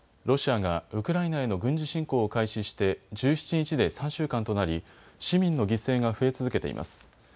ロシアがウクライナへの軍事侵攻を開始して１７日で３週間となり市民の犠牲が増え続けています。